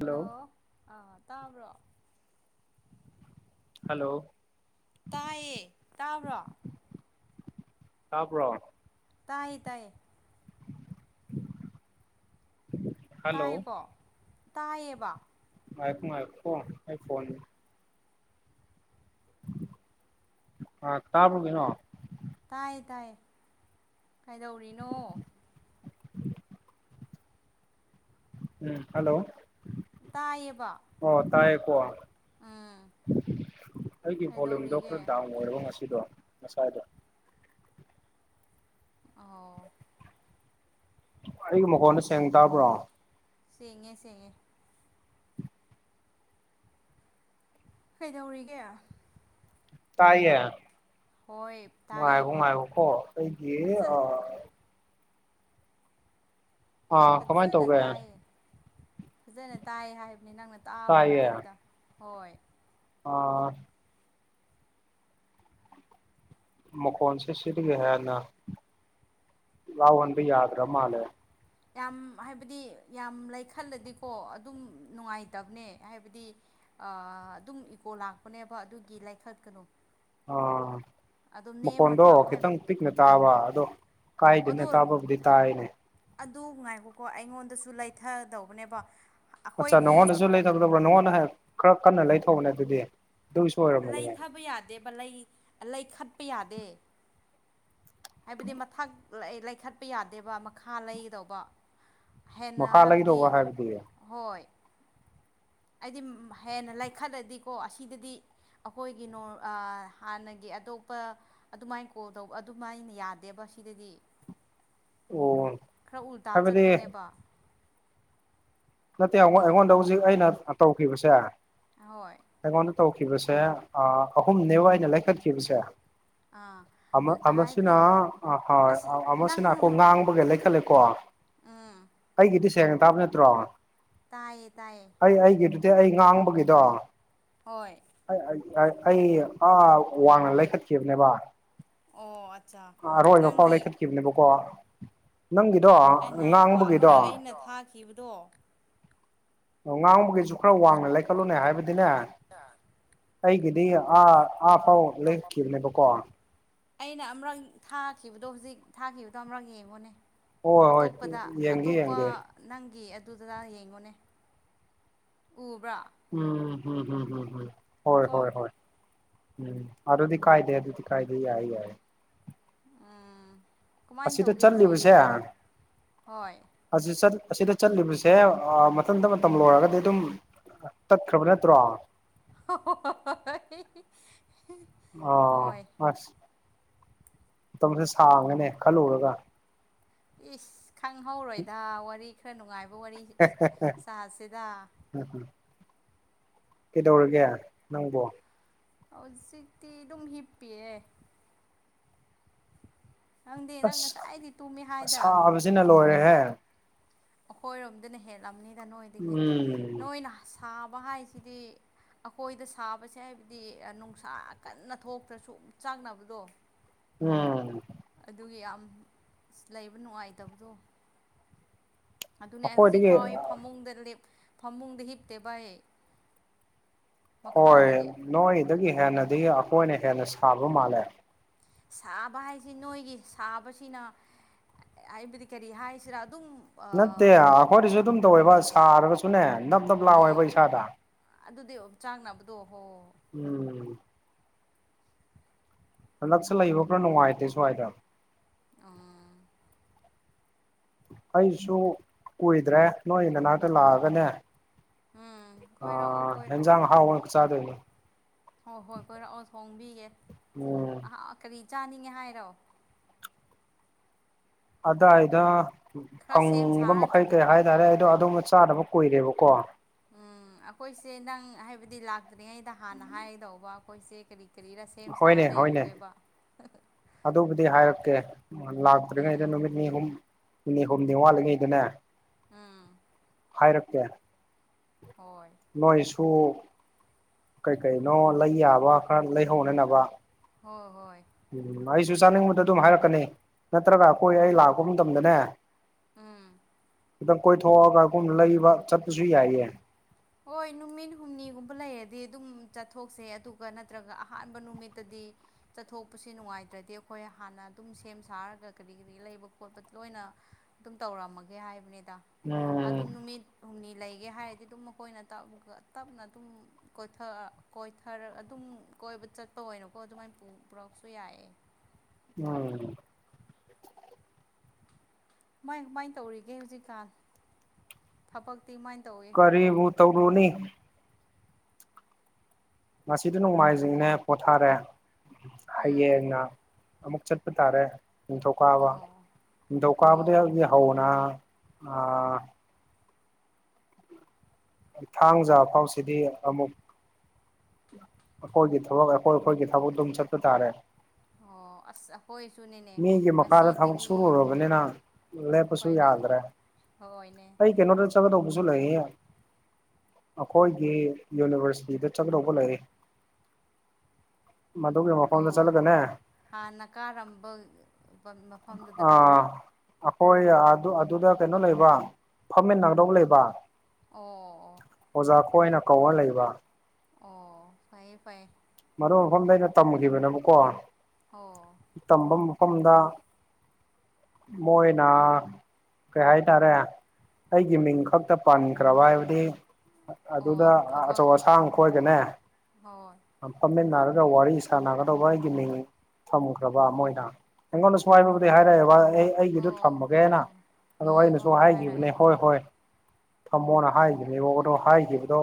hello ꯑꯥ ꯇꯥꯕ꯭ꯔꯣ hello ꯇꯥꯏꯌꯦ ꯇꯥꯕ꯭ꯔꯣ ꯇꯥꯕ꯭ꯔꯣ ꯇꯥꯏꯌꯦ ꯇꯥꯏꯌꯦ ꯍꯜꯂꯣ ꯇꯥꯏꯌ‌ꯦꯀꯣ ꯇꯥꯏꯌꯦꯕ ꯉꯥꯏꯈ‌ꯣ ꯉꯥꯏꯈ‌ꯣ ꯑꯩ ꯐꯣꯟ ꯑ ꯇꯥꯕ꯭ꯔ‌ꯣ ꯀꯩꯅꯣ ꯇꯥꯏ ꯇꯥꯏ ꯀꯩꯗꯧꯔꯤꯅꯣ ꯎꯝ ꯍꯜꯂꯣ ꯇꯥꯏꯌꯦꯕ ꯑꯣ ꯇꯥꯏꯌꯦꯀꯣ ꯎꯝ ꯑꯩꯒꯤ ꯚ‌ꯣꯂꯨꯝꯗ‌ꯣ ꯈꯔ ꯀꯩꯗꯧꯔꯤꯒꯦ ꯗꯥꯎꯟ ꯑꯣꯏꯔꯕ ꯉꯁꯤꯗꯣ ꯉꯁꯥꯏꯗꯣ ꯑꯧ ꯑꯩꯒꯤ ꯃꯈꯣꯟꯗ‌ꯣ ꯁꯦꯡꯅ ꯇꯥꯕ꯭ꯔꯣ ꯁꯦꯡꯉꯦ ꯁꯦꯡꯉꯦ ꯀꯩꯗꯧꯔꯤꯒꯦ ꯇꯥꯏꯌꯦ ꯍꯣꯏ ꯉꯥꯏꯈ‌ꯣ ꯇꯥꯏꯌꯦꯕ ꯉꯥꯏꯈ‌ꯣꯀꯣ ꯑꯩꯒꯤ ꯐꯖ ꯑꯥ ꯑꯥ ꯀꯃꯥꯏ ꯐꯖꯅ ꯇꯧꯒꯦ ꯇꯥꯏꯌ‌ꯦ ꯐꯖꯅ ꯇꯥꯏ ꯍꯥꯏꯕꯅꯤ ꯅꯪꯅ ꯇꯥꯕ꯭ꯔꯣ ꯇꯥꯏꯌꯦ ꯍꯥꯏꯗꯨꯗ ꯍꯣꯏ ꯑꯥ ꯃꯈꯣꯟꯁꯦ ꯁꯤꯗꯒꯤ ꯍꯦꯟꯅ ꯂꯥꯎꯍꯟꯕ ꯌꯥꯗ꯭ꯔꯥ ꯃꯥꯜꯂꯦ ꯌꯥꯝ ꯍꯥꯏꯕꯗꯤ ꯌꯥꯝ ꯂꯩꯈꯠꯂꯗꯤꯀꯣ ꯑꯗꯨꯝ ꯅꯨꯡꯉꯥꯏꯇꯕꯅꯦ ꯍꯥꯏꯕꯗꯤ ꯑꯥ ꯑꯗꯨꯝ ꯏꯀꯣ ꯂꯥꯛꯄꯅꯦꯕ ꯑꯗꯨꯒꯤ ꯂꯩꯈꯠ ꯀꯅꯣ ꯑꯥ ꯅꯦꯝꯃ ꯃꯈ‌ꯣꯟꯗꯣ ꯊꯥꯕ ꯍꯥꯏꯕ ꯈꯤꯇꯪ ꯄꯤꯛꯅ ꯇꯥꯕ ꯑꯗꯣ ꯑꯗꯣ ꯀꯥꯏꯗ‌ꯦꯅ‌ꯦ‌ ꯇꯥꯕꯕꯨꯗꯤ ꯇꯥꯏꯅꯦ ꯑꯗꯨ ꯉꯥꯏꯈꯣꯀꯣ ꯑꯩꯉꯣꯟꯗꯁꯨ ꯂꯩꯊꯗꯧꯕꯅꯦꯕ ꯑꯠꯆꯥꯥ ꯑꯩꯈꯣꯏꯒꯤ ꯅꯉꯣꯟꯗꯁꯨ ꯂꯩꯊꯒꯗꯧꯕ꯭ꯔꯥ ꯅꯪꯉꯣꯟꯗ ꯍꯥꯟꯅ ꯈꯔ ꯀꯟꯅ ꯂꯩꯊꯧꯅꯦ ꯑꯗꯨꯗꯤ ꯑꯗꯨꯒꯤꯁꯨ ꯑꯣꯏꯔꯝꯃꯅꯤꯉ ꯂꯩꯊꯕ ꯌꯥꯗꯦꯕ ꯂꯩ ꯂꯩꯈꯠꯄ ꯌꯥꯗꯦ ꯍꯥꯏꯕꯗꯤ ꯃꯊꯛ ꯂꯩ ꯂꯩꯈꯠꯄ ꯌꯥꯗꯦꯕ ꯃꯈꯥ ꯂꯩꯒꯗꯧꯕ ꯍꯦꯟꯅ ꯃꯈꯥ ꯍꯥꯏꯕꯗꯤ ꯂꯩꯗꯧꯕ ꯍꯣꯏ ꯑꯩꯗꯤ ꯍꯦꯟꯅ ꯂꯩꯥꯈꯠꯂꯗꯤꯀꯣ ꯑꯁꯤꯗꯗꯤ ꯑꯩꯈꯣꯏꯒꯤ ꯅ‌ꯣ ꯑꯥ ꯍꯥꯟꯅꯒꯤ ꯑꯇꯣꯞꯄ ꯑꯗꯨꯃꯥꯏꯅ ꯀꯣꯜ ꯇꯧꯕ ꯑꯗꯨꯃꯥꯏꯅ ꯌꯥꯗꯦꯕ ꯁꯤꯗꯗꯤ ꯑꯣ ꯈꯔ ꯎꯜꯇꯥ ꯍꯥꯏꯕꯗꯤ ꯆꯠꯄꯅꯦꯕ ꯅꯠꯇꯦ ꯑꯩꯉ‌ꯣꯟ ꯑꯦ ꯑꯩꯉꯣꯟꯗ ꯍꯧꯖꯤꯛ ꯑꯩꯅ ꯑ ꯇꯧꯈꯤꯕꯁꯦ ꯍꯣꯏ ꯑꯩꯉꯣꯟꯗ ꯇꯧꯈꯤꯕꯁꯦ ꯑ ꯑꯍꯨꯝꯅꯦꯕ ꯑꯩꯅ ꯂꯩꯈꯠꯈꯤꯕꯁꯦ ꯑꯥ ꯑꯃ ꯑꯃꯁꯤꯅ ꯍꯥꯏꯕꯗꯤ ꯑ ꯍꯣꯏ ꯑꯁꯤ ꯑꯃꯁꯤꯅ ꯑꯩꯈꯣꯏ ꯉꯥꯡꯕꯒꯤ ꯂꯩꯈꯠꯂꯦꯀꯣ ꯑꯥ ꯑꯩꯒꯤꯗꯤ ꯁꯦꯡꯅ ꯇꯥꯕ ꯅꯠꯇ꯭ꯔꯣ ꯇꯥꯏꯌꯦ ꯇꯥꯏꯌꯦ ꯑꯩ ꯑꯩꯒꯤꯗꯨꯗꯤ ꯑꯩ ꯉꯥꯡꯕꯒꯤꯗꯣ ꯍꯣꯏ ꯑꯩ ꯑꯥ ꯋꯥꯡꯅ ꯂꯩꯈꯠꯈꯤꯕꯅꯦꯕ ꯑꯣ ꯑꯠꯆꯥ ꯑꯔꯣꯏꯕꯐꯥꯎ ꯅꯪꯒꯤ ꯂꯩꯈꯠꯈꯤꯕꯅꯦꯕꯀꯣ ꯑꯣ ꯅꯪꯒꯤꯗꯣ ꯑꯩ ꯉꯥꯏꯈꯣꯀꯣ ꯉꯥꯡꯕꯒꯤꯗꯣ ꯑꯃꯨꯔꯛ ꯑꯩꯅ ꯊꯥꯈꯤꯕꯗꯣ ꯑꯣ ꯉꯥꯡꯕꯒꯤꯁꯨ ꯈꯔ ꯋꯥꯡꯅ ꯂꯩꯈꯠꯂꯨꯅꯦ ꯍꯥꯏꯕꯗꯤꯅꯦ ꯑꯩꯒꯤꯗꯤ ꯑꯥ ꯑꯥ ꯐꯥꯎ ꯂꯦꯞꯈꯤꯕꯅꯦꯕꯀꯣ ꯑꯩꯅ ꯑꯃꯔꯛ ꯊꯥꯈꯤꯕꯗꯣ ꯍꯧꯖꯤꯛ ꯊꯥꯈꯤꯕꯗꯣ ꯑꯃꯔꯛ ꯌꯦꯡꯉꯣꯅꯦ ꯍꯣꯏ ꯍꯣꯏ ꯑꯇꯣꯞꯄꯗ ꯌꯦꯡꯒꯦ ꯑꯇꯣꯞꯄ ꯌꯦꯡꯒꯦ ꯅꯪꯒꯤ ꯑꯗꯨꯗꯨꯗ ꯌꯦꯡꯉꯣꯅꯦ ꯎꯕ꯭ꯔꯥ ꯎꯝ ꯎꯝ ꯎꯝ ꯎꯝ ꯎꯝ ꯍꯣꯢ ꯍꯣꯢ ꯀꯣ ꯍꯣꯢ ꯎꯝ ꯑꯗꯨꯗꯤ ꯀꯥꯢꯗꯦ ꯑꯗꯨꯗꯤ ꯀꯥꯢꯗꯦ ꯌꯥꯢ ꯌꯥꯢꯌꯦ ꯎꯝ ꯀꯃꯥꯢꯢ ꯑꯁꯤꯗ ꯇꯧꯒꯦ ꯆꯠꯂꯤꯕꯁꯦ ꯅꯣꯢꯒꯤ ꯍꯣꯢ ꯑꯁꯤ ꯆꯠ ꯑꯁꯤꯗ ꯆꯠꯂꯤꯕꯁꯦ ꯑ ꯃꯊꯟꯇ ꯃꯇꯝ ꯂꯣꯢꯔꯒꯗꯤ ꯑꯗꯨꯝ ꯇꯠꯈ꯭ꯔꯕ ꯅꯠꯇ꯭ꯔꯣ [unintelligible] ꯑꯣ ꯍꯣꯏ ꯑꯁ ꯃꯇꯝꯖꯦ ꯁꯥꯡꯉꯅꯦ ꯈꯜꯂꯨꯔꯒ ꯏꯁ ꯈꯪꯍꯧꯔꯣꯢꯗ ꯋꯥꯔꯤ ꯈꯔ ꯅꯨꯡꯉꯥꯢꯕ ꯋꯥꯔꯤ ꯁꯥꯁꯤꯗ ꯍꯦꯍꯦꯍꯦ ꯀꯩꯗꯧꯔꯒꯦ ꯅꯪꯕꯣ ꯍꯧꯖꯤꯛꯇꯤ ꯑꯗꯨꯝ ꯍꯤꯞꯄꯤꯌꯦ ꯅꯪꯗꯦ ꯅꯪ ꯉꯁꯥꯢꯗꯩ ꯇꯨꯝꯃꯦ ꯍꯥꯢꯗ ꯁꯤꯅ ꯂꯣꯢꯔꯦꯍꯦ ꯑꯩꯈꯣꯢꯔꯣꯝꯗꯅ ꯍꯦꯜꯂꯝꯅꯤꯗ ꯅꯣꯢꯗꯤ ꯍꯦꯟꯗꯦ ꯎꯝ ꯅꯣꯢꯅ ꯁꯥꯕ ꯍꯥꯢꯁꯤꯗꯤ ꯑꯩꯈꯣꯢꯗ ꯁꯥꯕꯁꯦ ꯍꯥꯢꯕꯗꯤ ꯅꯨꯡꯁꯥ ꯀꯟꯅ ꯊꯣꯛꯇ꯭ꯔꯁꯨ ꯆꯥꯛꯅꯕꯗꯣ ꯎꯝ ꯑꯗꯨꯒꯤ ꯌꯥꯝ ꯂꯩꯕ ꯅꯨꯡꯉꯥꯢꯇꯕꯗꯣ ꯑꯗꯨꯅꯦ ꯑꯩ ꯍꯧꯖꯤꯛ ꯑꯩꯈꯣꯏꯗꯒꯤ ꯐꯥꯎ ꯑꯩ ꯐꯃꯨꯡꯗ ꯂꯦꯞ ꯐꯃꯨꯡꯗ ꯍꯤꯞꯇꯦꯕ ꯑꯩ ꯍꯣꯢ ꯃꯈꯥꯗꯅꯦ ꯅꯣꯢꯗꯒꯤ ꯍꯦꯟꯅꯗꯤ ꯑꯈꯣꯢꯅ ꯍꯦꯟꯅ ꯁꯥꯕ ꯃꯥꯜꯂꯦ ꯁꯥꯕ ꯍꯥꯢꯁꯤ ꯅꯣꯢꯒꯤ ꯁꯥꯕꯁꯤꯅ ꯑꯥꯢꯕꯗꯤ ꯀꯔꯤ ꯍꯥꯢꯁꯤꯔꯥ ꯑꯗꯨꯝ ꯅꯠꯇꯦ ꯑꯈꯣꯢꯗꯁꯨ ꯑꯗꯨꯝ ꯇꯧꯋꯦꯕ ꯁꯥꯔꯒꯁꯨꯅꯦ ꯅꯞ ꯅꯞ ꯎꯝ ꯂꯥꯎꯋꯦꯕ ꯏꯁꯥꯗ ꯑꯗꯨꯗꯤ ꯑꯣꯝꯆꯥꯡꯅꯕꯗꯣ ꯍꯣ ꯎꯝ ꯍꯟꯗꯛꯁꯦ ꯂꯩꯕ ꯈꯔꯥ ꯅꯨꯡꯉꯥꯢꯇꯦ ꯁ꯭ꯋꯥꯢꯗ ꯑ ꯑꯩꯁꯨ ꯀꯨꯢꯗ꯭ꯔꯦ ꯅꯣꯢ ꯅꯅꯥꯛꯇ ꯂꯥꯛꯑꯒꯅꯦ ꯎꯝ ꯑ ꯀꯣꯏꯔꯛꯑꯣ ꯍꯦꯟꯖꯥꯡ ꯑꯍꯥꯥꯎꯕ ꯆꯥꯗꯨꯢꯅꯤ ꯍꯣꯢ ꯍꯣꯢ ꯀꯣꯢꯔꯛꯑꯣ ꯊꯣꯡꯕꯤꯒꯦ ꯎꯝ ꯑꯥꯑ ꯀꯔꯤ ꯆꯥꯅꯤꯡꯉꯦ ꯍꯥꯢꯔꯣ ꯑꯗꯥꯢꯗ ꯈꯔ ꯁꯦꯝ ꯐꯪꯕ ꯁꯥꯔꯒ ꯃꯈꯩ ꯀꯩ ꯍꯥꯢꯇꯥꯔꯦ ꯑꯩꯗꯣ ꯑꯗꯨꯝꯕ ꯆꯥꯗꯕ ꯀꯨꯢꯔꯦꯕꯀꯣ ꯎꯝ ꯈꯣꯢꯁꯦ ꯅꯪ ꯍꯥꯢꯕꯗꯤ ꯂꯥꯛꯇ꯭ꯔꯤꯉꯩꯗ ꯍꯥꯟꯅ ꯍꯥꯢꯒꯗꯧꯕ ꯑꯈꯣꯢꯁꯦ ꯀꯔꯤ ꯀ꯭ꯔꯤꯔꯁꯦꯝ ꯁꯥ ꯍꯣꯏꯅꯦ ꯍꯣꯏꯅꯦ ꯂꯩꯔꯝꯒꯦꯕ ꯑꯗꯨꯕꯨꯗꯤ ꯍꯥꯢꯔꯛꯀꯦ ꯂꯥꯛꯇ꯭ꯔꯤꯉꯩꯗ ꯎꯝ ꯅꯨꯃꯤꯠ ꯅꯤ ꯍꯨꯝ ꯅꯤꯅꯤ ꯍꯨꯝꯅꯤ ꯋꯥꯠꯂꯤꯉꯩꯗꯅꯦ ꯎꯝ ꯍꯥꯢꯔꯛꯇꯦ ꯍꯣꯢ ꯅꯣꯢꯁꯨ ꯀꯩ ꯀꯩꯅꯣ ꯂꯩ ꯌꯥꯕ ꯈꯔ ꯂꯩꯍꯧꯅꯅꯕ ꯍꯣꯢ ꯍꯣꯢ ꯎꯝ ꯑꯩꯁꯨ ꯆꯥꯅꯤꯡꯕꯗ ꯑꯗꯨꯝ ꯍꯥꯢꯔꯛꯀꯅꯤ ꯅꯠꯇ꯭ꯔꯒ ꯑꯩꯈꯣꯢ ꯑꯩ ꯂꯥꯛꯄ ꯃꯇꯝꯗꯅꯦ ꯎꯝ ꯈꯤꯇꯪ ꯀꯣꯢꯊꯣꯛꯑꯒ ꯒꯨꯝ ꯂꯩꯕ ꯆꯠꯄꯁꯨ ꯌꯥꯢꯌꯦ ꯍꯣꯏ ꯅꯨꯃꯤꯠ ꯍꯨꯝꯅꯤꯒꯨꯝꯕ ꯂꯩꯔꯗꯤ ꯑꯗꯨꯝ ꯆꯠꯊꯣꯛꯁꯦ ꯑꯗꯨꯒ ꯅꯠꯇ꯭ꯔꯒ ꯑꯍꯥꯟꯕ ꯅꯨꯃꯤꯠꯇꯗꯤ ꯆꯠꯊꯣꯛꯄꯁꯦ ꯅꯨꯡꯉꯥꯏꯇ꯭ꯔꯗꯤ ꯑꯩꯈꯣꯏ ꯍꯥꯟꯅ ꯑꯗꯨꯝ ꯁꯦꯝ ꯁꯥꯔꯒ ꯀꯔꯤ ꯀꯔꯤ ꯂꯩꯕ ꯈꯣꯠꯄ ꯂꯣꯏꯅ ꯑꯗꯨꯝ ꯇꯧꯔꯝꯃꯒꯦ ꯍꯥꯏꯕꯅꯤꯗ ꯑꯗꯨ ꯎꯝ ꯅꯨꯃꯤꯠ ꯍꯨꯝꯅꯤ ꯂꯩ ꯍꯥꯏꯔꯗꯤ ꯑꯗꯨꯝ ꯃꯈꯣꯏꯅ ꯇꯄꯒ ꯇꯞꯅ ꯑꯗꯨꯝ ꯀꯣꯏꯊ ꯀꯣꯏꯊꯔ ꯑꯗꯨꯝ ꯀꯣꯏꯕ ꯆꯠꯄ ꯑꯣꯏꯅꯀꯣ ꯑꯗꯨꯃꯥꯏꯅ ꯄꯨ ꯄꯨꯔꯛꯁꯨ ꯌꯥꯏꯑ ꯎꯝ ꯥ ꯍꯨꯃꯥꯏꯅ ꯍꯨꯃꯥꯏꯅ ꯇꯧꯔꯤꯒꯦ ꯍꯧꯖꯤꯛꯀꯥꯟ ꯊꯕꯛꯇꯤ ꯍꯨꯃꯥꯏ ꯇꯧꯋꯤ ꯀꯔꯤꯕꯨ ꯇꯧꯔꯨꯅꯤ ꯃꯁꯤꯗ ꯅꯣꯡꯃꯥꯏꯖꯤꯡꯅꯦ ꯄꯣꯊꯥꯔꯦ ꯎꯝ ꯍꯩꯌꯦꯅ ꯑꯃꯨꯛ ꯆꯠꯄ ꯇꯥꯔꯦ ꯅꯤꯡꯊꯧꯀꯥꯕ ꯑꯣ ꯅꯤꯡꯊꯧꯀꯥꯕꯗ ꯑꯣ ꯍꯧꯗꯤ ꯍꯧꯅ ꯑꯥ ꯊꯥꯡꯖꯥ ꯐꯥꯎꯁꯤꯗꯤ ꯑꯃꯨꯛ ꯑꯩꯈꯣꯏꯒꯤ ꯊꯕꯛ ꯑꯩꯈꯣꯏ ꯑꯩꯈꯣꯏꯒꯤ ꯊꯕꯛ ꯑꯗꯨꯝ ꯆꯠꯄ ꯇꯥꯔꯦ ꯑꯣ ꯑꯁꯁꯥ ꯍꯣꯏ ꯁꯨꯅꯤꯅꯦ ꯃꯤꯒꯤ ꯃꯈꯥꯗ ꯊꯕꯛ ꯉꯁꯤꯗꯒꯤ ꯁꯨꯔꯨꯔꯕꯅꯤꯅ ꯈ꯭ꯋꯥꯏ ꯂꯦꯞꯄꯁꯨ ꯂꯩ ꯍꯣꯏꯅꯦ ꯆꯠꯒꯗꯧꯕ ꯇꯧꯕꯁꯨ ꯂꯩꯌꯦꯦ ꯑꯩꯈꯣꯏꯒꯤ ꯌꯨꯅꯤꯚꯔꯁꯤꯇꯤꯗ ꯆꯠꯀꯗꯧꯕ ꯂꯩ ꯃꯗꯨꯒꯤ ꯃꯐꯝꯗ ꯑꯣ ꯆꯠꯂꯒꯅꯦ ꯍꯥꯟꯅ ꯀꯥꯔꯝꯕ ꯃꯐꯝꯗꯨꯗꯔꯥ ꯑꯥ ꯑꯩꯈꯣꯏ ꯑꯗꯨ ꯑꯗꯨꯗ ꯀꯩꯅꯣ ꯂꯩꯕ ꯐꯝꯃꯤꯟ ꯅꯥꯒꯗꯧ ꯂꯩꯕ ꯑꯣ ꯑꯣ ꯑꯣꯖꯥ ꯈꯣꯏꯅ ꯀꯧꯔ ꯂꯩꯕ ꯑꯣ ꯐꯩꯌꯦ ꯐꯩꯌꯦ ꯃꯔꯨ ꯃꯐꯝꯗ ꯑꯩꯅ ꯇꯝꯈꯤꯕꯅꯦꯕꯀꯣ ꯑꯣ ꯇꯝꯕ ꯃꯐꯝꯗ ꯃꯣꯣꯏꯅꯥ ꯀꯩ ꯍꯥꯏꯇꯥꯔꯦ ꯑꯩꯒꯤ ꯃꯤꯡ ꯈꯛꯇ ꯄꯟꯈ꯭ꯔꯕ ꯍꯥꯏꯕꯗꯤ ꯑꯗꯨꯗ ꯑꯣ ꯊꯕꯛ ꯑꯆꯧ ꯑꯁꯥꯡ ꯈꯣꯏꯒꯅꯦ ꯍꯣꯏ ꯐꯝꯃꯤꯟꯅꯔꯒ ꯋꯥꯔꯤ ꯁꯥꯟꯅꯒꯗꯧꯕ ꯑꯩꯒꯤ ꯃꯤꯡ ꯊꯝꯈ꯭ꯔꯕ ꯃꯣꯏꯅ ꯑꯩꯉꯣꯟꯗꯁꯨ ꯍꯥꯏꯕꯕꯨꯗꯤ ꯑꯣ ꯍꯥꯏꯔꯛꯑꯦꯕ ꯑꯩ ꯑꯩꯒꯤꯗꯨ ꯑꯣ ꯍꯣ ꯊꯝꯃꯒꯦꯅ ꯍꯣ ꯑꯗꯣ ꯎꯝ ꯑꯩꯅꯁꯨ ꯍꯣꯏ ꯍꯣꯏ ꯍꯥꯏꯈꯤꯕꯅꯦ ꯍꯥꯏꯔꯛꯑꯦ ꯍꯣꯏ ꯍꯣꯏ ꯊꯝꯃꯣꯅ ꯍꯥꯏꯈꯤꯕꯅꯦꯕ ꯑꯗꯣ ꯍꯥꯏꯈꯤꯕꯗꯣ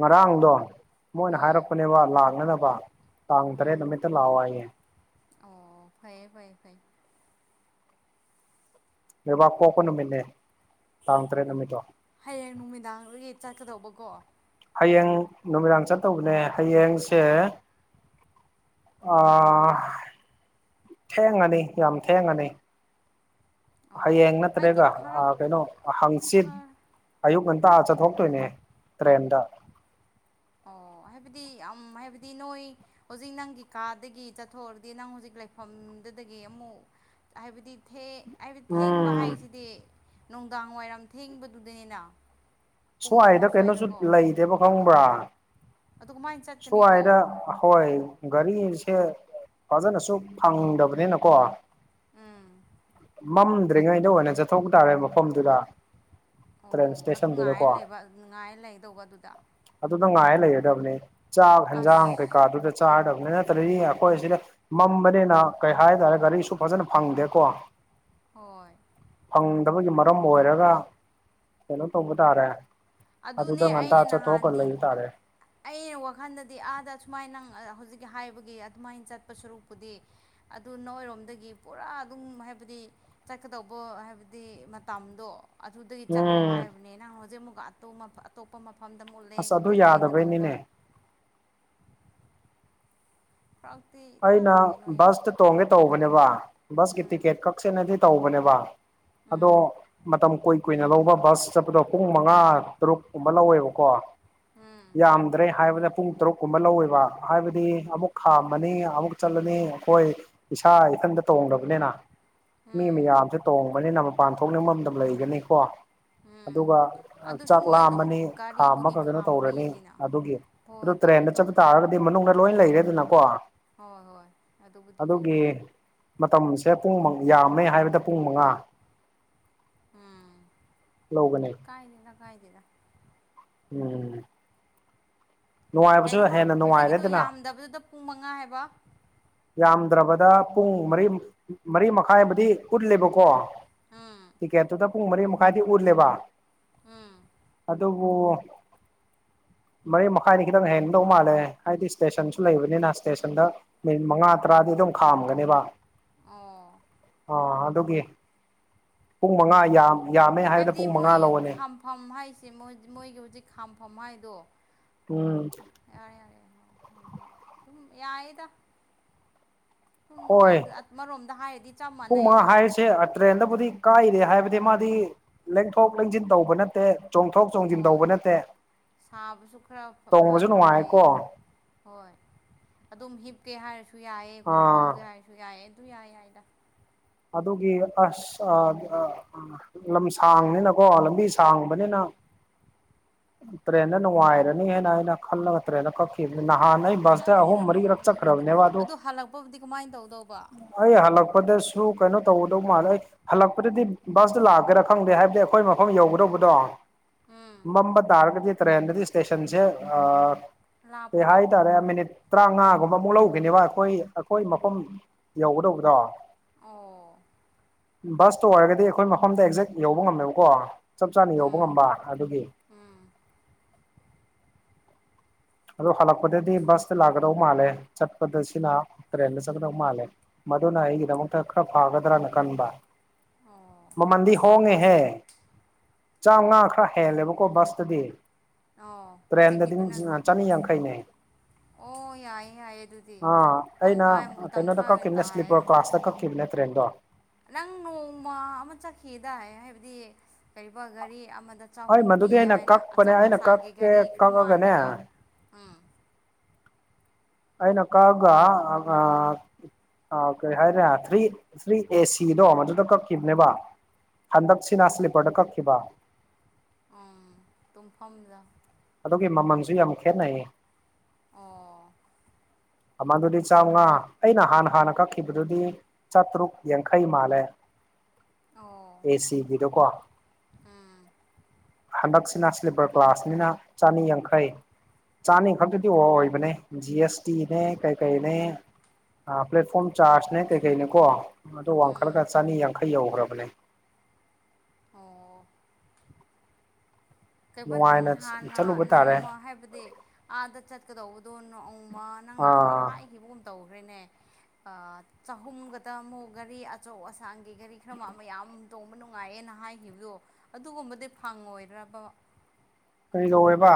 ꯉꯔꯥꯡꯗꯣ ꯎꯝ ꯄ ꯂꯥꯛꯅꯅꯕ ꯇꯥꯡ ꯇꯔꯦꯠ ꯎꯝ ꯅꯨꯃꯤꯠꯇ ꯂꯥꯛꯑꯣ ꯍꯥꯏꯌꯦꯦ ꯑꯣ ꯐꯩꯌꯦ ꯐꯩꯌꯦ ꯐꯩ ꯂꯩꯣꯏꯕꯥꯛ ꯄ‌ꯣꯛꯄ ꯅꯨꯃꯤꯠꯅꯦ ꯇꯥꯡ ꯇꯔꯦꯠ ꯅꯨꯃꯤꯠꯇꯣ ꯍꯌꯦꯡ ꯅꯨꯃꯤꯗꯥꯡꯗꯒꯤ ꯆꯠꯀꯗꯧꯕꯀꯣ ꯍꯌꯦꯡ ꯅꯨꯃꯤꯗꯥꯡ ꯆꯠꯇꯧꯕꯅꯦ ꯍꯌꯦꯡꯁꯦ ꯑ ꯊꯦꯡꯉꯅꯤ ꯌꯥꯝ ꯊꯦꯡꯉꯅꯤ ꯑꯣ ꯍꯌꯦꯡ ꯍꯥꯏꯗꯤ ꯅꯠꯇ꯭ꯔꯦꯒ ꯑ ꯐꯔꯛ ꯀꯩꯅꯣ ꯍꯪꯆꯤꯠ ꯑꯌꯨꯛ ꯉꯟꯇꯥ ꯑꯥ ꯆꯠꯊꯣꯛꯇꯣꯏꯅꯦ ꯇ꯭ꯔꯦꯟꯗ ꯑꯣ ꯍꯥꯏꯕꯗꯤ ꯌꯥꯝ ꯍꯥꯏꯕꯗꯤ ꯅꯣꯏ ꯍꯧꯖꯤꯛ ꯅꯪꯒꯤ ꯀꯥꯗꯒꯤ ꯆꯠꯊꯣꯛꯔꯗꯤ ꯅꯪ ꯍꯧꯖꯤꯛ ꯂꯩꯐꯝꯗꯨꯗꯒꯤ ꯑꯃꯨꯛ ꯍꯥꯏꯕꯗꯤ ꯊ‌ꯦ ꯍꯥꯏꯕꯗꯤ ꯊꯦꯡꯕ ꯎꯝ ꯍꯥꯏꯁꯤꯗꯤ ꯅꯨꯡꯗꯥꯡꯋꯥꯏꯔꯝ ꯊꯦꯡꯕꯗꯨꯗꯅꯤꯅ ꯄꯨꯡ ꯑꯃ ꯁ꯭ꯋꯥꯏꯗ ꯀꯩꯅꯣꯁꯨ ꯁ꯭ꯋꯥꯏꯗꯀꯣ ꯂꯩꯗꯦꯕ ꯈꯪꯕ꯭ꯔꯥ ꯑꯗꯨ ꯀꯃꯥꯏꯅ ꯆꯠꯀꯅꯤ ꯑꯗꯣ ꯁ꯭ꯨꯋꯥꯏꯗ ꯑꯍꯣꯏ ꯒꯥꯔꯤꯁꯦ ꯐꯖꯅꯁꯨ ꯐꯪꯗꯕꯅꯤꯅꯀꯣ ꯎꯝ ꯃꯝꯗ꯭ꯔꯤꯉꯩꯗ ꯑꯣꯏꯅ ꯆꯠꯊꯣꯛ ꯇꯥꯔꯦ ꯃꯐꯝꯗꯨꯗ ꯑꯣ ꯇ꯭ꯔꯦꯟ ꯑꯗꯨ ꯉꯥꯏꯔ ꯏꯁꯇꯦꯁꯟꯗꯨꯗꯀꯣ ꯂꯩꯕ ꯉꯥꯏꯔ ꯂꯩꯗꯧꯕ ꯑꯗꯨꯗ ꯑꯗꯨ ꯅꯪ ꯉꯥꯏ ꯂꯩꯒꯗꯕꯅꯤ ꯆꯥꯛ ꯑꯁ ꯍꯤꯟꯖꯥꯡ ꯀꯩꯀꯥꯗꯨꯗ ꯆꯥꯗꯕꯅꯤ ꯅꯠꯇ꯭ꯔꯗꯤ ꯑꯩꯈꯣꯏ ꯁꯤꯗ ꯃꯝꯕꯅꯤꯅ ꯀꯩ ꯍꯥꯏꯇꯥꯔꯦ ꯒꯥꯔꯤꯁꯨ ꯐꯖꯅ ꯐꯪꯗꯦꯀꯣ ꯍꯣꯏ ꯐꯪꯗꯕꯒꯤ ꯃꯔꯝ ꯑꯣꯏꯔꯒ ꯀꯩꯅꯣ ꯇꯧꯕ ꯇꯥꯔꯦ ꯑꯗꯨꯅꯦ ꯑꯗꯨꯗ ꯉꯟꯇꯥ ꯑꯩꯅ ꯆꯠꯊꯣꯛꯑꯒ ꯅꯍꯥꯟꯗꯤ ꯂꯩꯕ ꯇꯥꯔꯦ ꯑꯩꯅ ꯋꯥꯈꯜꯗꯗꯤ ꯑꯥꯗ ꯁꯨꯃꯥꯏꯅ ꯅꯪ ꯍꯧꯖꯤꯛꯀꯤ ꯍꯥꯏꯕꯒꯤ ꯑꯗꯨꯃꯥꯏꯅ ꯆꯠꯄ ꯁꯔꯨꯛꯄꯨꯗꯤ ꯑꯗꯨ ꯅꯣꯏꯔꯣꯝꯗꯒꯤ ꯄꯨꯔꯥ ꯑꯗꯨꯝ ꯍꯥꯏꯕꯗꯤ ꯆꯠꯀꯗꯧꯕꯣ ꯍꯥꯏꯕꯗꯤ ꯃꯇꯝꯗꯣ ꯑꯗꯨꯗꯒꯤ ꯆꯠꯂꯣ ꯎꯝ ꯍꯥꯏꯕꯅꯦ ꯅꯪ ꯍꯧꯖꯤꯛ ꯑꯃꯨꯛꯀ ꯑꯇꯨ ꯑꯇꯣꯞꯄ ꯃꯐꯝꯗ ꯑꯃꯨꯛ ꯂꯦꯛ ꯑꯁ ꯑꯗꯨ ꯂꯦꯛꯀꯗꯧꯕ ꯌꯥꯗꯕꯩꯅꯤꯅꯦ ꯄ꯭ꯔꯥꯛꯇꯤ ꯑꯩꯅ ꯕꯁꯇ ꯇꯣꯡꯒꯦ ꯇꯧꯕꯅꯦꯕ ꯕꯁꯀꯤ ꯎꯝ ꯇꯤꯛꯀꯦꯠ ꯀꯛꯁꯦꯅꯗꯤ ꯇꯧꯕꯅꯦꯕ ꯑꯗꯣ ꯎꯝ ꯃꯇꯝ ꯀꯨꯏ ꯀꯨꯏꯅ ꯂꯧꯕ ꯕꯁ ꯆꯠꯄꯗꯣ ꯄꯨꯡ ꯃꯉꯥ ꯇꯔꯨꯛ ꯀꯨꯝꯕ ꯂꯧꯋꯦꯕꯀꯣ ꯎꯝ ꯌꯥꯝꯗ꯭ꯔꯦ ꯍꯥꯏꯕꯗ ꯄꯨꯡ ꯇꯔꯨꯛ ꯀꯨꯝꯕ ꯂꯧꯋꯦꯕ ꯍꯥꯏꯕꯗꯤ ꯑꯃꯨꯛ ꯈꯥꯝꯃꯅꯤ ꯑꯃꯨꯛ ꯆꯠꯂꯅꯤ ꯑꯩꯈꯣꯏ ꯏꯁꯥ ꯏꯊꯟꯗ ꯇꯣꯡꯗꯕꯅꯤꯅ ꯃꯤ ꯎꯝ ꯃꯌꯥꯝꯁꯨ ꯇꯣꯡꯕꯅꯤꯅ ꯃꯄꯥꯟ ꯊꯣꯛꯅꯤꯡꯕ ꯃꯇꯝ ꯂꯩꯒꯅꯤꯀꯣ ꯎꯝ ꯑꯗꯨꯒ ꯑꯗꯨꯁꯨ ꯃꯣꯏ ꯑꯗꯨꯝ ꯆꯥꯛꯂꯥꯝꯃꯅꯤ ꯒꯥꯔꯤꯕꯨꯗꯤ ꯈꯥꯝꯃꯒ ꯀꯩꯅꯣ ꯇꯧꯔꯅꯤ ꯈꯥꯝꯕꯤꯅꯤꯅ ꯑꯗꯨꯒꯤ ꯑꯗꯨ ꯍꯣꯏ ꯇꯧꯗꯤ ꯇ꯭ꯔꯦꯟꯗ ꯇꯧꯋꯦ ꯆꯠꯄ ꯇꯥꯔꯒꯗꯤ ꯃꯅꯨꯡꯗ ꯂꯣꯏ ꯂꯩꯔꯦꯗꯅꯀꯣ ꯍꯣꯏ ꯍꯣꯏ ꯑꯗꯨꯕꯨꯗꯤ ꯑꯗꯨꯒꯤ ꯆꯨꯝꯃꯦ ꯃꯇꯝꯁꯦ ꯄꯨꯡ ꯌꯥꯝꯃꯦ ꯍꯥꯏꯕꯗ ꯄꯨꯡ ꯃꯉꯥ ꯎꯝ ꯂꯧꯒꯅꯤ ꯀꯥꯏꯗꯦꯗ ꯀꯥꯏꯗꯦꯗ ꯎꯝ ꯀꯩ ꯅꯨꯡꯉꯥꯏꯕꯁꯨ ꯍꯥꯏꯕ ꯍꯦꯟꯅ ꯍꯧꯖꯤꯛꯀꯤꯗꯨ ꯅꯨꯡꯉꯥꯏꯔꯦꯗꯅ ꯌꯥꯝꯗꯕꯗꯨꯗ ꯄꯨꯡ ꯃꯉꯥ ꯍꯥꯏꯕ ꯌꯥꯝꯗ꯭ꯔꯕꯗ ꯄꯨꯡ ꯃꯔꯤ ꯃꯔꯤ ꯃꯈꯥꯏꯕꯨꯗꯤ ꯎꯠꯂꯦꯕꯀꯣ ꯎꯝ ꯇꯤꯀꯦꯠꯇꯨꯗ ꯄꯨꯡ ꯃꯔꯤ ꯃꯈꯥꯏꯗꯤ ꯎꯠꯂꯦꯕ ꯎꯝ ꯑꯗꯨꯕꯨ ꯃꯔꯤ ꯃꯈꯥꯏꯗꯤ ꯈꯤꯇꯪ ꯍꯦꯟꯒꯗꯧ ꯃꯥꯜꯂꯦ ꯍꯥꯏꯗꯤ ꯏꯁꯇꯦꯁꯟꯁꯨ ꯂꯩꯕꯅꯤꯅ ꯏꯁꯇꯦꯁꯟꯗ ꯃꯤꯅꯤꯠ ꯃꯉꯥ ꯇꯔꯥꯗꯤ ꯑꯗꯨꯝ ꯈꯥꯝꯒꯅꯦꯕ ꯑꯣ ꯑꯥ ꯑꯗꯨꯒꯤ ꯄꯨꯡ ꯃꯉꯥ ꯌꯥꯝ ꯌꯥꯝꯃꯦ ꯍꯥꯏꯕꯗ ꯄꯨꯡ ꯃꯉꯥ ꯂꯧꯕꯅꯦ ꯐꯝ ꯍꯥꯏꯁꯦ ꯃꯣꯏ ꯃꯣꯏꯒꯤ ꯍꯧꯖꯤꯛ ꯈꯥꯝꯐꯝ ꯍꯥꯏꯗꯣ ꯎꯝ ꯌꯥꯔꯦ ꯌꯥꯔꯦ ꯍꯣꯏ ꯍꯣꯏ ꯑꯗꯨꯝ ꯌꯥꯏꯗ ꯁꯨꯝ ꯍꯣꯏ ꯑꯃꯔꯣꯝꯗ ꯍꯥꯏꯔꯗꯤ ꯆꯞ ꯃꯥꯟꯅꯩꯌꯦꯗ ꯁ ꯇ꯭ꯔꯦꯟꯗꯕꯨꯗꯤ ꯀꯥꯏꯔꯦ ꯍꯥꯏꯕꯗꯤ ꯃꯥꯗꯤ ꯂꯦꯡꯊꯣꯛ ꯂꯦꯡꯁꯤꯟ ꯇꯧꯕ ꯅꯠꯇꯦ ꯆꯣꯡꯊꯣꯛ ꯆꯣꯡꯁꯤꯟ ꯍꯣꯏ ꯇꯧꯕ ꯅꯠꯇꯦ ꯁꯥꯕꯁꯨ ꯈꯔ ꯇꯣꯡꯕꯁꯨ ꯈꯔ ꯅꯨꯡꯉꯥꯏꯀꯣ ꯐꯩꯌꯦ ꯍꯣꯏ ꯑꯗꯨꯝ ꯍꯤꯞꯀꯦ ꯍꯥꯏꯔꯁꯨ ꯌꯥꯏꯑ ꯀꯣꯛ ꯑꯥ ꯐꯝꯒꯦ ꯍꯥꯏꯔꯁꯨ ꯌꯥꯏꯑ ꯑꯗꯨ ꯌꯥꯏ ꯌꯥꯏꯗ ꯑꯗꯨꯒꯤ ꯑꯁ ꯑ ꯂꯝ ꯁꯥꯡꯕꯅꯤꯅꯀꯣ ꯂꯝꯕꯤ ꯁꯥꯡꯕꯅꯤꯅ ꯇ꯭ꯔꯦꯟꯅ ꯅꯨꯡꯉꯥꯏꯔꯅꯤ ꯍꯥꯏꯅ ꯑꯩꯅ ꯈꯜꯂꯒ ꯇ꯭ꯔꯦꯟꯅ ꯀꯛ ꯅꯍꯥꯟꯅ ꯑꯩ ꯕꯁꯇ ꯑꯍꯨꯝ ꯀꯥꯏꯗꯦꯗ ꯃꯔꯤ ꯔꯛ ꯅꯣꯡꯃꯒꯤꯗ ꯆꯀ꯭ꯔꯅꯦꯕꯥꯗꯣ ꯑꯗꯣ ꯍꯜꯂꯛꯄꯕꯨꯗꯤ ꯀꯃꯥꯏꯅ ꯇꯧꯗꯧꯕ ꯑꯩ ꯍꯜꯂꯛꯄꯗꯁꯨ ꯀꯩꯅꯣ ꯇꯧꯒꯗꯧ ꯃꯥꯜꯂꯦ ꯍꯜꯂꯛꯄꯗꯗꯤ ꯕꯁꯇ ꯂꯥꯛꯀꯦꯔꯥ ꯈꯪꯗꯦ ꯍꯥꯏꯕꯗꯤ ꯑꯩꯈꯣꯏ ꯃꯐꯝ ꯌꯧꯒꯗꯧꯕꯗꯣ ꯎꯝ ꯃꯝꯕ ꯇꯔꯒꯗꯤ ꯇ꯭ꯔꯦꯟꯗꯗꯤ ꯏꯁꯇꯦꯁꯟꯁꯦ ꯑ [inaudible] ꯂꯥꯞꯄ꯭ꯔꯥ ꯍꯥꯏꯇꯥꯔꯦ ꯃꯤꯅꯤꯠ ꯇꯔꯥꯃꯉꯥꯒꯨꯝꯕ ꯑꯃꯨꯛ ꯂꯧꯒꯅꯦꯕ ꯑꯩꯈꯣꯏ ꯑꯩꯈꯣꯏ ꯃꯐꯝ ꯌꯧꯒꯗꯧꯕꯗꯣ ꯑꯣ ꯕꯁꯇꯣ ꯑꯣꯏꯔꯒꯗꯤ ꯑꯩꯈꯣꯏ ꯃꯐꯝꯗ ꯑꯦꯛꯖꯦꯛ ꯌꯧꯕ ꯉꯝꯃꯦꯕꯀꯣ ꯆꯞ ꯆꯥꯅ ꯌꯧꯕ ꯎꯝ ꯉꯝꯕ ꯑꯗꯨꯒꯤ ꯎꯝ ꯑꯗꯣ ꯍꯜꯂꯛꯄꯗꯗꯤ ꯕꯁꯇ ꯂꯥꯛꯀꯗꯧ ꯃꯥꯜꯂꯦ ꯆꯠꯄꯗ ꯁꯤꯅ ꯇ꯭ꯔꯦꯟꯗ ꯆꯠꯀꯗꯧ ꯃꯥꯜꯂꯦ ꯃꯗꯨꯅ ꯑꯣ ꯑꯩꯒꯤꯗꯃꯛꯇ ꯈꯔ ꯐꯒꯗ꯭ꯔꯅ ꯈꯟꯕ ꯑꯣ ꯃꯥꯃꯟꯗꯤ ꯍꯣꯡꯒꯦ ꯍꯦ ꯆꯥꯃꯉꯥ ꯑꯣ ꯈꯔ ꯍꯣ ꯍꯦꯜꯂꯦꯕꯀꯣ ꯕꯁꯇꯗꯤ ꯑꯣ ꯍꯧꯖꯤꯛꯀꯤꯗꯨꯅ ꯀꯌꯥ ꯃꯤ ꯌꯥꯛꯈꯩꯅꯦ ꯌꯥꯏꯌꯦ ꯑꯗꯨꯗꯤ ꯑꯥ ꯑꯩꯅ ꯇꯪꯈꯥꯏꯃꯨꯛ ꯀꯩꯅꯣꯗ ꯇꯪꯈꯥꯏ ꯑꯣꯏꯅ ꯀꯛꯀꯤꯅꯦ ꯇꯥꯔꯦ ꯑꯗꯣ ꯁꯂꯤꯄꯣꯀꯣ ꯑꯁꯇ ꯀꯛꯈꯤꯕ ꯅꯦ ꯇ꯭ꯔꯦꯟꯗꯣ ꯅꯪ ꯅꯣꯡꯃ ꯑꯃ ꯆꯠꯈꯤꯗꯥꯏ ꯍꯥꯏꯕꯗꯤ ꯀꯔꯤꯕ ꯒꯥꯔꯤ ꯑꯃꯗ ꯑꯩ ꯆꯍꯨꯝ ꯃꯗꯨꯗꯤ ꯄꯤꯌꯦ ꯑꯩꯅ ꯍꯥꯏꯅ ꯀꯛꯄꯅꯦ ꯑꯆꯧ ꯑꯩꯅ ꯑꯁꯥꯡꯒꯤ ꯀꯛꯀꯦ ꯒꯥꯔꯤ ꯈꯔ ꯀꯛꯑꯒꯅꯦ ꯃꯥꯜꯂꯒ ꯑꯩꯅ ꯎꯝ ꯑꯩꯏꯅ ꯀꯥꯛꯑꯒ ꯑ ꯑꯥ ꯀꯔꯤ ꯍꯥꯏꯔꯦ ꯊ꯭ꯔꯤ ꯊ꯭ꯔꯤ ꯑꯦ ꯁꯤꯗꯣ ꯃꯗꯨꯗꯣ ꯀꯛꯈꯤꯕꯅꯦꯕ ꯍꯟꯗꯛꯁꯤꯅ ꯁ꯭ꯂꯤꯞꯄꯔꯗ ꯀꯛꯈꯤꯕ ꯎꯝ ꯇꯨꯡꯐꯝꯗ ꯑꯗꯨꯒꯤ ꯃꯃꯜꯁꯨ ꯌꯥꯝ ꯈꯦꯠꯅꯩꯌꯦ ꯑꯣ ꯃꯃꯥꯡꯗꯨꯗꯤ ꯆꯥꯃꯉꯥ ꯑꯩꯅ ꯍꯥꯟꯅ ꯍꯥꯟꯅ ꯀꯛꯈꯤꯕꯗꯨꯗꯤ ꯆꯇ꯭ꯔꯨꯛ ꯌꯦꯡꯈꯩ ꯃꯥꯂꯦ ꯑꯣ ꯑꯦ ꯁꯤꯀꯤꯗꯣꯀꯣ ꯎꯝ ꯍꯟꯗꯛꯁꯤꯅ ꯁ꯭ꯂꯤꯞꯄꯔ ꯒ꯭ꯂꯥꯁꯅꯤꯅ ꯆꯅꯤ ꯌꯥꯡꯈꯩ ꯆꯥꯅꯤꯡ ꯈꯛꯇꯗꯤ ꯑꯣ ꯑꯣꯏꯕꯅꯦ ꯖꯤ ꯑꯦꯁ ꯇꯤꯅꯦ ꯀꯩ ꯀꯩꯅꯦ ꯑ ꯄ꯭ꯂꯦꯠꯐꯣꯝ ꯆꯥꯔꯖꯅꯦ ꯀꯩꯀꯩꯅꯦꯀꯣ ꯑꯗꯨ ꯎꯝ ꯋꯥꯡꯈꯠꯂꯒ ꯆꯅꯤ ꯌꯥꯡꯈꯩ ꯌꯧꯈ꯭ꯔꯕꯅꯦ ꯑꯣ ꯀꯩꯕ ꯅꯪ ꯅꯨꯡꯉꯥꯏꯅ ꯍꯥꯟꯅ ꯆꯠꯂꯨꯕ ꯇꯥꯔꯦ ꯅꯣꯡꯃ ꯍꯥꯏꯕꯗꯤ ꯑꯥꯗ ꯆꯠꯀꯗꯧꯕꯗꯣ ꯅꯣꯡꯃ ꯅꯪꯅ ꯑꯃꯨꯛ ꯑꯥ ꯍꯥꯏꯈꯤꯕꯒꯨꯝ ꯇꯧꯈꯦꯅꯦ ꯑ ꯆꯍꯨꯝꯒꯗ ꯑꯃꯨꯛ ꯒꯥꯔꯤ ꯑꯆꯧ ꯑꯁꯥꯛ ꯀꯩ ꯀꯔꯤ ꯈꯔ ꯃꯥ ꯑꯃ ꯌꯥꯝ ꯇꯣꯡꯕ ꯅꯨꯡꯉꯥꯏꯑꯦꯅ ꯍꯥꯏꯈꯤꯕꯗꯣ ꯑꯗꯨꯒꯨꯝꯕꯗꯤ ꯐꯪꯉꯣꯏꯗ꯭ꯔꯕ ꯀꯔꯤ ꯀꯧꯋꯦꯕ